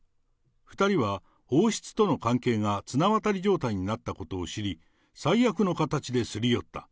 ２人は王室との関係が綱渡り状態になったことを知り、最悪の形ですり寄った。